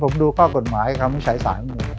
ตอนนั้นผมดูข้อกฎหมายคำวิชัยศาสตร์